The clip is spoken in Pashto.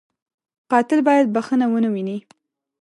قاتل باید بښنه و نهويني